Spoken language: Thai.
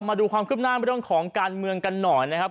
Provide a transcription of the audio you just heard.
มาดูความคืบหน้าเรื่องของการเมืองกันหน่อยนะครับ